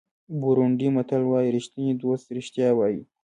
بورونډي متل وایي ریښتینی دوست رښتیا وایي.